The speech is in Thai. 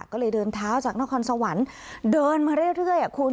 ก็เลยเดินเท้าจากนครสวรรค์เดินมาเรื่อยคุณ